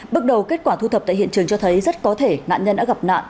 bước đầu kết quả thu thập tại hiện trường cho thấy rất có thể nạn nhân đã gặp nạn